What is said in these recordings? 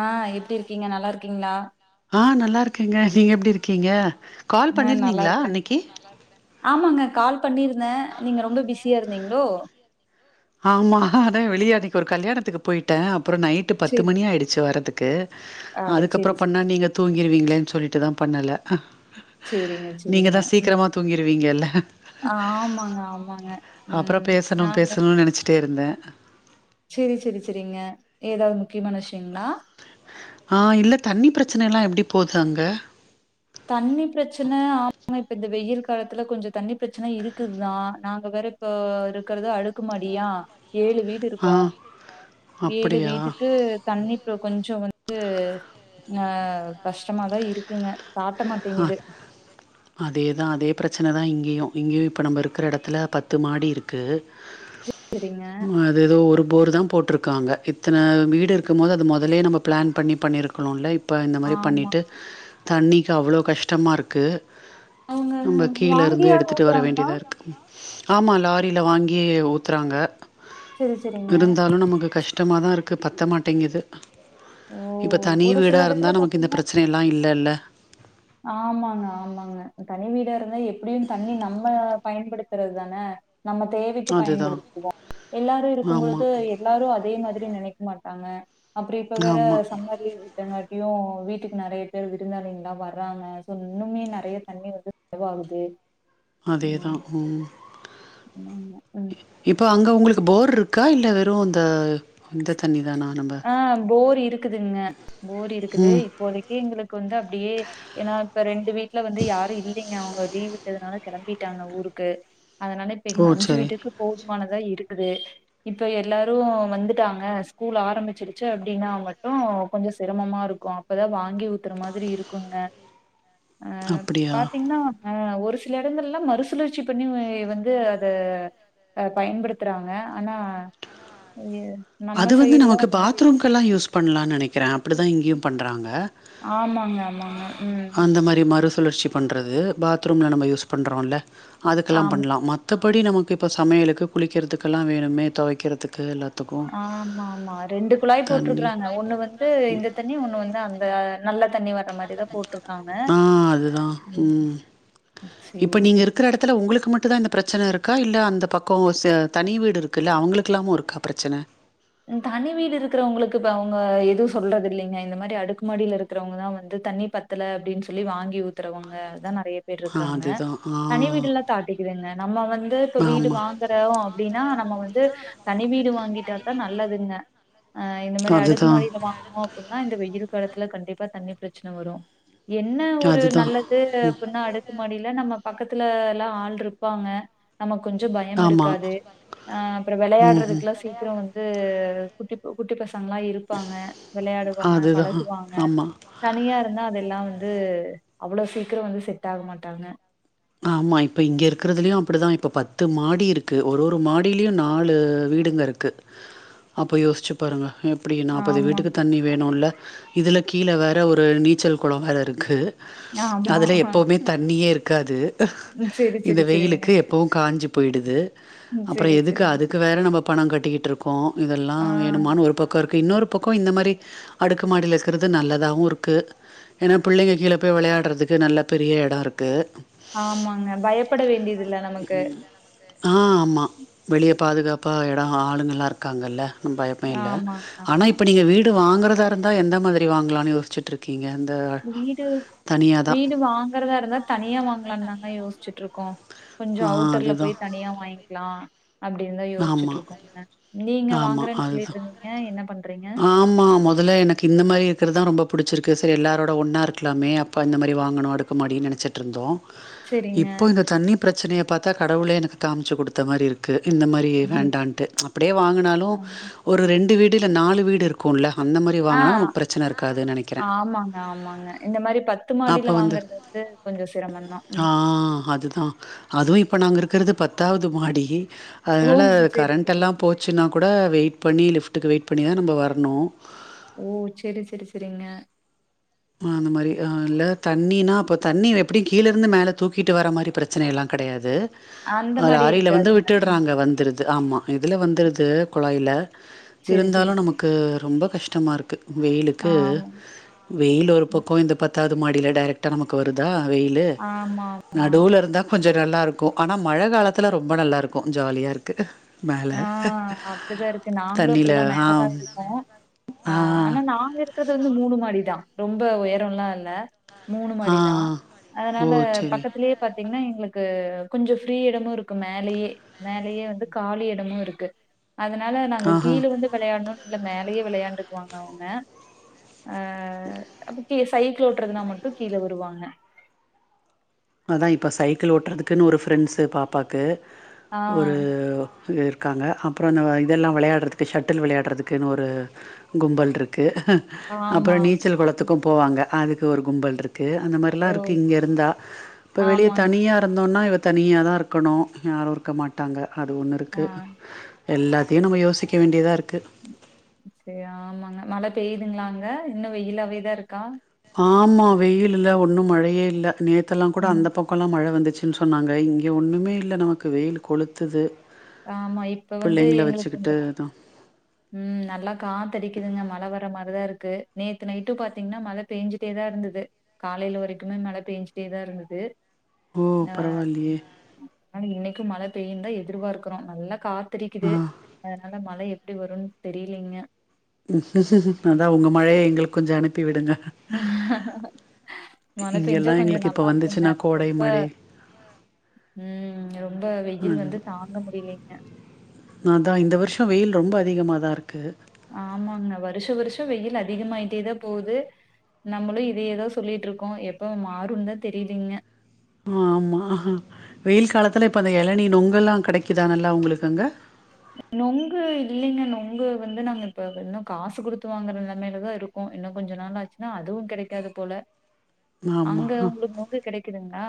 ஆஹ் எப்படி இருக்கீங்க நல்லா இருக்கீங்களா ஆஹ் நல்லா இருக்கீங்க நீங்க எப்படி இருக்கீங்க கால் ஆ நல்லா பண்ணிருந்தீங்களா இருக்கறேன். அன்னைக்கு ஆமாங்க கால் பண்ணியிருந்தே நீங்க ரொம்ப பிஸியா இருக்கு ங்களோ ஆமா அதான் வெளிய அன்னைக்கு ஒரு கல்யாணத்துக்கு போயிட்டேன் அப்புறோ நைட்டு பத்து சரி மணியாயிடுச்சு வர்றக்கு ஓகே அட சரி அதுக்கப்புறோ சரி. பண்ணா நீங்க தூங்கிருவீங்களேன்னு சொல்லிட்டுதான் பண்ணலை ஆ செரிங்க செரிங்க தூங்கிருவீங்கல்ல ஆமாங்க ஆமாங்க உம் நாங்க வச்சுட்டே இருந்தே செரி செரி செரிங்க ஏதாவது முக்கியமான விஷயங்களா ஆ இல்ல தண்ணி பிரச்சனை எல்லாம் எப்படி போது அங்க தண்ணி பிரச்சனை ஆமா இப்ப இந்த வெயில் காலத்துல கொஞ்சு தண்ணி பிரச்சனை இருக்குதுதா நாங்க வேற இப்ப இருக்கறது அடுக்குமாடியா ஏழு வீடு ஆ இருக்கு ஏழு அப்படியா வீட்டுக்கு தண்ணிப் கொஞ்சு வந்து ஆ கஷ்டமாதா இருக்குங்க தாட்ட ஆ மாட்டேங்குது. அதேதா அதே பிரச்சனை தா இங்கேயு இங்கேயு இப்போ நம்ம இருக்கிற எடத்துல பத்து மாடி இருக்கு சரிங்க. அது எதோ போர் தா போட்டிருக்காங்க இத்தனை வீடு இருக்கும் போது அது முதலே நம்ம பிளான் பண்ணி பண்ணியிருக்கணும்ல இப்போ இந்த மாரி ஆமா பண்ணிட்டு தண்ணி க்கு அவ்வளோ கஷ்டமா இருக்கு அவங்க நம்ம கீழே இருந்து வாங்கியாவது எடுத்துட்டு வர ஊத்துறாங்களா வேண்டியதா இருக்கு ஆமா லாரியில வாங்கி ஊத்துறாங்க செரி செரிங்க இருந்தாலு நமக்கு கஷ்ட கஷ்டமா தா இருக்கு பத்த மாட்டேங்குது ஓ இப்போ தனி ஒரு வீடா சில இருந்தா எடத்துல நமக்கு இந்த பாத்தீங்கன்னா பிரச்சனைையெல்லா இல்லைல ஆமாங்க ஆமாங்க தனி வீடா இருந்த எப்படியு தண்ணி நம்ம பயன்படுத்துறது தானே நம்ம தேவைக்கு அதுதான். பயன்படுத்துவோ எல்லாரு இருக்கும் ஆமா. பொழுது எல்லாரு அதே மாதிரி நெனைக்க மாட்டாங்க அப்புறோ இப்ப வேற ஆமா. சம்மர் லீவு விட்டாங்க எப்படியு வீட்டுக்கு நறைய பேர் விருந்தாளிங்க வ ராங்க சோ இன்னுமே நெறைய தண்ணி வந்து செலவாகுது அதேதா ம் உம் உம் இப்ப அங்க உங்களுக்கு போர் இருக்கா இல்ல வெறு இந்த இந்த தண்ணி தானா நம்ப? ஆ போர் இருக்குதுங்க போர் இருக்குது இப்போதைக்கு எங்களுக்கு வந்து அப்படியே ஏன்னா இப்ப ரெண்டு வீட்டு்ல வந்து யாரு இல்லைங்க அவங்க லீவ் விட்டதுனால கிளம்பிட்டாங்க ஊருக்கு அதனால ஓ! இப்ப அஞ்சு சரி. வீட்டுக்கு போதுமானதா இருக்கு இப்ப எல்லாரு வந்துட்டாங்க ஸ்கூல் ஆ ஆரம்பிச்சிருச்சு அப்படின்னா மட்டு கொஞ்சு சிரமமா இருக்கு அப்பதா வாங்கி ஊத்துற மாதிரி இருக்குங்க அ அப்படியா? பாத்தீங்கன்னா ஆ ஒரு சில இடங்கள்லா மறுசுழற்சி பண்ணி வந்து அதை பயன்படுத்துகிறாங்க ஆனா நம்ம சைட்ல பாத்ரூம்கெல்லா யூஸ் பண்ணலான்னு நெனைக்கிறே அப்படிதா இங்கேயு பன்றாங்க ஆமாங்க ஆமாங்க உம் மாரி மறுசுழற்சி பண்றது பாத்ரூம்ல நம்ம யூஸ் பண்றோல்ல அதுக்கெல்லாம் ஆமா. பண்லாம் மத்த படி நமக்கு இப்போ சமையலுக்கு குளிக்கிறதுக்கெல்லாம் வேணுமே துவைக்கிறதுக்கு எல்லா த்துக்கு ஆமா ஆமா ரெண்டு குழாய் போட்டிருக்குறாங்க ஒண்ணு வந்து இந்த தண்ணி ஒண்ணு வந்து அந்த நல்ல தண்ணி வ ஆஹ் அதுதான் ம். உம் சரி. இப்ப நீங்க இருக்கிற இடத்துல உங்களுக்கு மட்டும் தா இந்த பிரச்சன இருக்கா இல்ல அந்த பக்கோ ச தனி வீடு இருக்குல்ல அவுங்களுக்கெல்லாமு இருக்கா பிரச்சன தனி வீடு இருக்கிறவங்களுக்கு இப்ப அவுங்க எதுவும் சொல்றது இல்லைங்க இந்த மாரி அடுக்குமாடில இருக்கிறவங்கதான் வந்து தண்ணி பத்தல அப்டின்னு சொல்லி வாங்கி ஊத்துறவங்க தான் நெறைய பேர் ஆ இருக்கிறாங்க அதுதான். ஆ. தனி வீடு எல்லாம் தாட்டிக்குதுங்க நம்ம வந்து இப்ப வீடு ஆமா. வாங்கறோம் அப்டின்னா நம்ம வந்து தனி வீடு வாங் ங்கிட்டா நல்லதுங்க அஹ் இந்த மாதிரி அடுக்கு அதுதான். மாடில வாங்குனோம் அப்டின்னா இந்த வெயில் காலத்துல கண்டிப்பா தண்ணி பிரச்சனை வரும் என்ன ஒரு அதுதான். நல்லது அப்டின்னா அடுக்கு மாடில நம்ம பக்கத் துலலாம் ஆள் இருப்பாங்க நமக் கொஞ்சோ பயம் ஆமா இருக்காது ஆஹ் அப்புறம் ம் ம் விளையாடுறதுக்கெல்லாம் சீக்கிரம் வந்து து குட்டி குட்டி பசங் களாம் இருப்பாங்க விளையாடுவாங்க அதுதா பழகுவாங்க ஆமா தனியா இருந்தா அதெல்லாம் வந்து அவ்ளோ சீக்கிரம் வந்து செட் ஆக மாட்டாங்க ஆமா இப்போ இங்க இருக்கிறதுலயும் அப்டிதான் இப்போ பத்து மாடி இருக்கு ஒரு ஒரு மாடிலயும் நாலு வீடுங்க இருக்கு அப்போ யோசிச்சு பாருங்க எப்டியு நாப்பது வீட்டுக்கு ஆமாங் தண்ணி வேணுல்ல இதுல கீழே வேற ஒரு நீச்சல் குளம் வேற இருக்கு ஆமா அதுல எப்பவுமே தண்ணியே இருக் து ம் செரி இந்த செரி செரிங்க வெயிலுக்கு எப்பவும் காஞ்சு போயிடுது ம் அப்புறம் செரி எதுக்கு செரிங்க அதுக்கு வேற நம்ம பணம் கட்டிட்டு இருக் கோம் இதெல்லாம் ஆ வேணுமான்னு ஒரு பக்கம் இருக்கு இன்னொரு பக்கம் இந்த மாரி அடுக்கு மாடில இருக்கறது நல்லதாகவும் இருக்கு ஏன்னா பிள்ளைங்க கீழ போய் விளையாடுறதுக்கு நல்ல பெரிய இடம் இருக்கு ஆமாங்க பயப்பட வேண்டியது இல்ல நமக்கு ஆ ஆமா வெளிய பாதுகாப்பா இடம் ஆளுங்கலாம் இருக்காங்கல்ல பயமே இல்ல ஆமாங்க ஆனா ஆமா இப்ப நீங்க வீடு வாங்க குறதா இருந்தா எந்த மாதிரி வாங்கலாம்னு யோசிச்சிட்டு இருக்கீங்க வீடு வீடு வாங்கறதாருந்தா தனியா வாங் லாங்க தாங்க யோசிச்சுட்ருக் கோ கொஞ்சோ ஆ அவுட்டர்ல அதுதான். போய் தனியா வாங்கிக்கலா அப்டின்னு தா யோசிச்சுட்டு ஆமா இருக்கோங்க நீங்க ஆமா வாங்குறேன்னு அதுதா சொல்லிட்டு இருந்தீங்க என்ன பண்றீங்க ஆமா மொதல்ல எனக்கு இந்த மாதிரி இருக்கதா ரொம்ப புடிச்சிருக்கு செரி எல்லாரோட ஒன்னா இருக்கலாமே அப்ப இந்த மாதிரி வாங்கணு அடுக்கு மாடின்னு நெனச்சிட்டுருந்தோ செரிங்க இப்போ இந்த தண்ணி பிரச்சனையை பாத்தா கடவுளே எனக்கு காமிச்சு குடுத்தா மாரி இருக்கு இந்த மாதிரி ம் வேண்டான்ட்டு அப்டியே வாங்குனாலு ஆ ஒரு ரெண்டு வீட் டு இல்ல நாலு வீடு இருக்குல்ல அந்த மாரி ஆ, வாங்கனா நமக்கு பிரச்சன இருக்காது நெனைக்கற ஆமாங்க ஆமாங்க இந்த மாரி பத்து அப்ப மாடில வந்து வாங்கறது கொஞ்சோ சிரமந்தா ம் அ அதுதா அது இப்ப நாங்க இருக்கறது பத்தாவது மாடி ஓ அதனால செரி செரி கரண்டெல்லா போச்சுனா கூட வெயிட் பண்ணி லிப்டக்கு வெயிட் பண்ணி தா நம்ம வரணு ஓ செரி செரி செரிங்க அந்த மாரி இல்ல தண்ணினா அப்ப தண்ணி எப்டியு கீழேருந்து மேலே தூக்கிட்டு வர மாரி பிரச்சனையேல்லா கெடையாது அந்த மாரி லாரில வந்து இருக்காதுங்க ம் விட்டர்றாங்க வந்துருது து ஆமா இதுல வந்துருது குழாய்ல செரி இருந்தாலு செரி செரி நமக்கு ரொம்ப கஷ்ட் கஷ்டமாருக்கு வெயிலுக்கு ஆமா வெயில் ஒரு ம். பக்கோ இந்த பத் பத்தாவது மாடில டைரக்டா நமக்கு வருதா வெயிலு ஆமா நடுவுலருந்தா கொஞ்சோ நல்லாருக்கோ ஆனா மழ காலத்ல ரொம்ப நல்லாருக்கோ ஜாலியாருக்கு ஆஹ் அப்டிதாருக்கு நாங்களு தண்ணில இப்டிதா ஆ எங்க வீடு மேலதா தான் இருக்கோ மேல ஆ ஆஹ் ஆனா மேல நாங்க இருக்குறது ந்து மூணு மாடிதா ரொம்ப உயரோலா இல்ல மூணு ஆ மாடி தா மாடி ஓ! அதனால சரி. பக்கத்திலேயே பாத்தீங்ன்னா எங்கள க்கு கொஞ்சோ ஃப்ரீ இடமுருக்கு மேலயே மேலயே வந்து காலிய் டமும் இருக்கு அதனால நாங்க ஆஹா கீழே வந்து வெளையாடணுன்னு இல்ல மேலயே வெளயாண்டுக்குவாங்க அவுங்க ஆஹ் அப்டியே சைக்கிள் ஓட்டுருந்தா மட்டு கீழயே வருவாங்க அதா இப்போ சைக்கிள் ஓட்டுறதுக்குன்னு ஒரு ஃப்ரெண்ட்ஸு பாப்பாக்கு ஆ ஒரு இருக்காங்க அப்றோ அந்த இதெல்லா வெளயாட்றதுக்கு ஷட்டில் வெளயாட்றதுக்குனு ஒரு கும்பல் இருக் கு ஆமா, அப்றோ ஆமா. நீச்சல் கொளத்துக்கு போவாங்க அதுக்கு ஒரு கும்பல்ரு க்கு அந்த மாரிலா ஓ! இருக்கு இங்க இருந்தா இப்ப வெளிய ஆமாங்க. தனியா இருந் தோனா இவ தனியாதா இருக்கனு யாரு இருக்க மாட்டாங்க அது ஒன்னு ஆ இருக்கு எல்லாத்தையு நம்ம யோசிக்க வேண்டியதா இருக் சே ஆமாங்க மழ பேயுதுங்ளா அங்க இன்னு வெயிலாவேதா இருக்கா ஆமா வெயிலில்ல ஒண்ணு மழையே இல்ல நே த்தெலா கூட ம். அந்த பக்கோலா மழ வந்து ச்சுன் சொன்னாங்க இங்க ஒண்ணுமே இல்ல நமக்கு வெயில் கொளுத்துது ஆமா இப்ப வந்து பிள்ளைங்கள எங்களுக்கு கொஞ்ச வச்சுக்கிட்டு அதான் ம் நல்லா காத்தடிக்குதுங்க மழ வ ர்ற மாரிதா இருக்கு நேத்து நைட்டும் பாத்திங்னா மழ பேஞ்சிட்டேதா இருந்துது காலைல வரைக்குமே மழ பேஞ்சிட்டேதா இருந்துது ஓ ஆ பரவாயில்லையே இன்னைக்கும் மழ பெய்யின்தா எதிர்பாக்குறோ நல்ல கா ஆ த்தடிக்குது அதனால மழை எப்டி வரும்னு தெரிலீங்க அதா உங்க மழைய எங்களுக்கு கொஞ்சோ அனுப்பி விடுங்க மழ பேஞ்சா இங்கெல்லாம் கொஞ்சோ எங்களுக்கு இப்ப நல்லா இருக்குங்க வந்துச்சுன்னா கோடை ரொம்ப, மழை ம் ரொம்ப வெயில் வந்து அதுதான் தாங்க முடிலீங்க அதிகமாதா இருக்கு ஆமாங்க வருஷா வருஷம் வெயில் அதிகமாயிட்டேதா போவுது நம்மளு இதேதா சொல்லிட்ருக்கோ எப்ப மாறுன்னுதா தெரியலீங்க ஆ ஆமா வெயில் காலத்துல இப்ப அந்த எளநி நொங்கெல்லா கெடைக்குதா நல்லா உங்களுக்கு அங்க நொங்கு இல்லிங்க நொங்கு வந்து நாங்க இப்ப இன்னு காசு குடுத்து வாங்கற நெலமைலதா இருக்குகோ இன்னு கொஞ்ச நாள் ஆச்சுனா அதுவு கெடைக்காது போல அங்க ஆமா உங்களுக்கு நொங்கு கெடைக்குதுங்ளா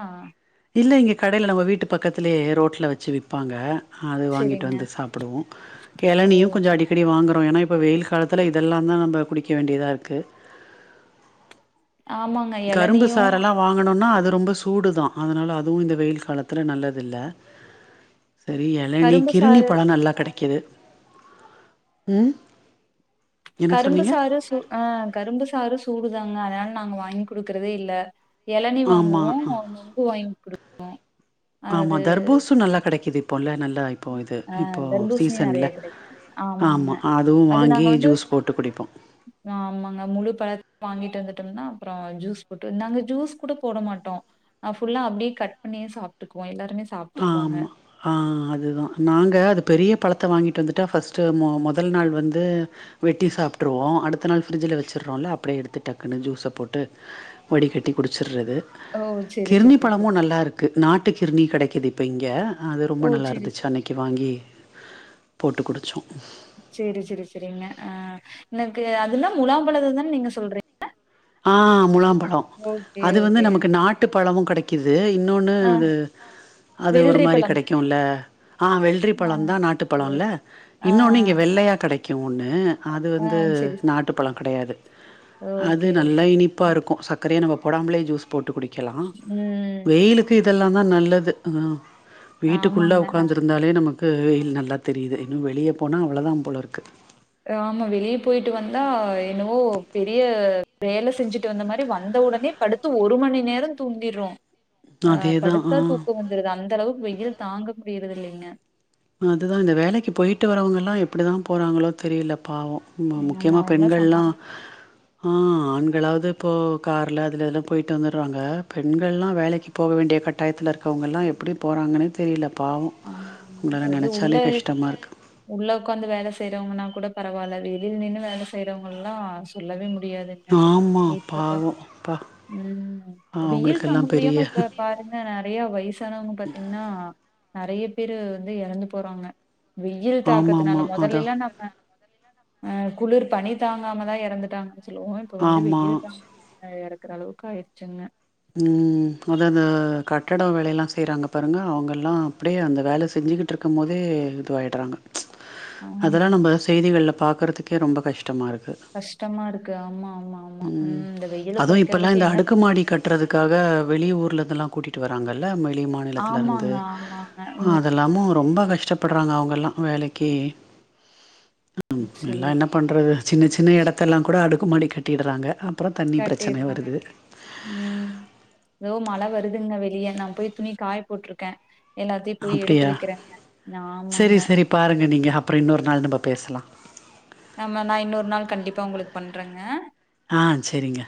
இல்ல இங்க கடைல நம்ம வீட்டு பக்கத்திலயே ரோட்ல வச்சு விப்பாங்க அது வாங்கிட்டு சரிங்க. வந்து சாப்புடுவோ ஓ! எளநியு கொஞ்சோ சரி. அடிக்கடி வாங்குறோ ஏன்னா இப்ப வெயில் காலத்துல இதெல்லாதா நம்ப குடிக்க வேண்டியதா இருக்கு ஆமாங்க. கரும்பு எளநீயும் சாரெல்லா வாங்கணுன்னா அது ரொம்ப சூடுதா அதனால அதுவு இந்த வெயில் காலத்துல நல்லதில்ல சரி எளநி கரும்பு கிருணி சாறு பழ நல்லா கெடை கிது ம் என்ன கரும்பு சொன்னீங்க சாறு சு ஆ கரும்பு சாறு சூடுதா த்னாலதா நாங்க வாங்கி குடுக்கறதே இல்ல இளநி ஆமா வாங்குவோ அ ஒ நொங்கு வாங் குடுப்போ ஆமா தர்பூஸு நல்லா கெடைக்குது இப் கொள்ள நல் ஆ தர்பூஸ்ணி நெறைய கெடைக்கு ஆமாங்க ஆமா அதுவு அது நாங்க வாங்கி வந்து ஜூஸ் போட்டு குடிப்போ ஆமாங்க முழு பழத் வாங்கிட்டு வந்துட் டுந்தா அப்றோ ஜூஸ் போட்டு நாங்க ஜூஸ் கூட போட மாட்டோ புஃல்லா அப்டியே கட் பண்ணியே சாப்ட்டுக்குவோ எல்லா ஆ ஆமா ஆ அத் துதா நாங்க அது பெரிய பழத்த வாங்கிட்டு வந்துட்டா ஃபஸ்ட்டு ம மொதல் நாள் வந்து வெட்டி சாப்டுருவோ அடுத்த நாள் ஃப்ரிட்ஜில வச்சுடுறோல அப்டியே எடுத்து டக்குன்னு ஜூஸ போட்டு வடிகட்டி குடிச்சிர்றது ஓ! சரி, கிர்ணி சரி. பழமூ நல்லாருக்கு நாட்டு கிர்ணி கெடைக் இது இப்ப இங்க அது ரொம்ப ஓ! சரி, நல்லாருந்துச்சு அன்னைக்கி வாங்கி போட்டு குடிச்சோ சேரி செரி செரிங்க ஆ எனக்கு அதுன்னா முலாம்பழத தானே நீங்க சொல்றீங்க ஆ முலாம்பழ் ழோ ஓகே, அது வந்து ஓகே. நமக்கு நாட்டு பழமூ கெடைக் து இன்னொன்னு ஆ அது அது ஒரு வெள்ளரி மாரி பழம். கெடைக்கூல்ல ஆ வெள்ரி ஆ. பழோ தா நாட்டுப்பழோ இல்ல வெள் ஆ, இன்னொன்னு இங்க வெள்ளையா கெடைக் ஒன்னு அது வந்து நாட்டுப்பழோ கடையாது ஓ து நல்லா இனிப்பா இருக்கூ சக் க்ரைய நம்ம போடாம்லே ஜூஸ் போட்டு குடிக்கலா ம். வெயிலுக்கு இத் தெல்லா தா நல்லது ஆ வீட்டுக்குள்ள ஆமாங்க. நான் உக்காந்துருந்தாலே நமக் க்கு ல் நல்லா தெரியுது இன்னூ வெளியே போனா அவ்ளோதா போலருக்கு ஆமா வெளியே போயிட்டு வந்தா என்னவோ பெரிய வேல செஞ்சுட்டு வந்த மாரி வந்த ஒடனே படுத்து ஒரு மணி நேரம் தூங்கிர்றோ ஆ அதேதான். படுத்தா ஆ. தூக்கோ வந்துருது அந்தளவுக்கு வெயில் தாங்க முடியிறது இல்லைங்க அதுதா இந்த வேலைக்கு போயிட்டு வரவங்கல்லா எப்டிதா போறாங்களோ தெரியல பாவோ ம ஆமா முக்கியமா அவங்களாம் பெண்கள்ல்லா சமாளி ஆ ஆண்களாவது இப்போ காரில அதில இதலா போய்ட்டு வந்துராங்க பெண்கள்லா வேலைக்கு போக வேண்டிய கட்டாயத்தில இருக்கிறவங்கள்லா எப்பிடி போறாங்கன்னே தெரியல பாவோ ஆமாங்க அது உள்ள உள்ள உட்காந்து வேலை செய்யுர கூட பரவாயில்ல வெளியில நின்னு வேலை செய்யறவங்க எல்லா சொல்லவே முடி முடியாதுங்க ஆமா இப்ப ப பாவம் அப்பா. உம் ஆ வெயில் தாங்க அவங்களுக்கெல்லாம் பெரிய முடியாம இப்ப பாருங்கா நெறைய வயசானவங்க பாத்தீங்கன்னா நறைய பேரு வந்து எறந்து போறாங்க வெயில் தாக்கத்துனால ஆமாமா. அதா மொதல்லெல்லா நாம்ம ஆ குளிர் பனி தாங்காமதா எறந்துட்டாங்க சொல்லுவோ இப்ப வந்து ஆமா. வெயில் தாங்காம எற க்குர அளவுக்கு ஆயிடுச்சுங்க ம் அதாவது கட்டடோ வேலையெல்லா செய்யிறாங்க பாருங்க அவங்கல்லா அப்படியே அந்த வேலை செஞ்சுக்கிட்டு இருக்கும் போதே இதுவாயிடுறாங்க ம்ச் அதெல்லா ஆமாங்க நம்ம செய்திகள்ள பாக்கறதுக்கே ரொம்ப கஷ் கஷ்டமா இருக்கு ஆமா ஆமா ஆமா ம். உம் இந்த வெயில கொறைக்கிறதுக்கு என்ன டதுக்காக வெளி ஊர்ல இருந்தெல்லா கூட்டிட்டு வராங்க இல்ல ஆமா வெளி மாநிலத்தில இருந்து ஆமாங்க ஆமாங்க ம் அதெல்லாமு ரொம்ப கஷ்டப்படுறாங்க அவங்கலா வேலைக்கு எல்லா சரி என்ன பண்றது சின்ன சின்ன இடத்தெல்லா கூட அடுக்குமாடி கட்டிடுறாங்க அப்புறம் தண்ணி பிரச்சனை கட்டிடலாங்க வருது. உம் ஏதோ மழை வருதுங்க வெளியே நா போய் துணி காய் போட்டிருக்கே அப்படியா செரி ஆமாங்க செரி பாருங்க நீங்க அப்புறோ இன்னொரு நாள் பேசலா ஆமா நா இன்னொரு நாளு கண்டிப்பா உங்களுக்கு பண் பன்றங்க ஆ செரிங்க